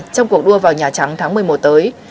trong cuộc đua vào nhà trắng tháng một mươi một tới